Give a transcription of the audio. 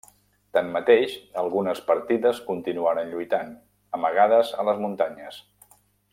Tanmateix, algunes partides continuaren lluitant, amagades a les muntanyes.